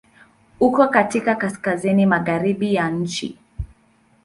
Uko katika Kaskazini magharibi ya nchi.